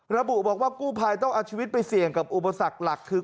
ระบุบอกว่ากู้ภัยต้องเอาชีวิตไปเสี่ยงกับอุปสรรคหลักคือ